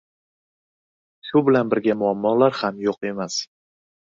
Shu bilan birga muammolar ham yo‘q emas.